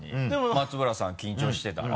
松原さん緊張してたら。